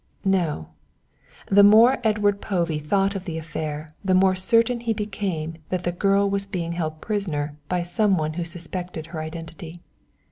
No, the more Edward Povey thought of the affair the more certain he became that the girl was being held prisoner by some one who suspected her identity.